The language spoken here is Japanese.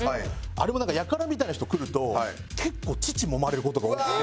あれもなんかやからみたいな人来ると結構乳揉まれる事が多くて。